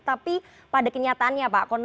tapi pada kenyataannya pak